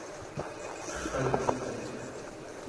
qerranquq²